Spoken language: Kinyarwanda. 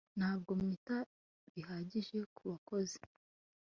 Ntabwo mwita bihagije ku bakozi